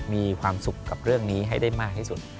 มีความสุขกับเรื่องนี้ให้ได้มากที่สุด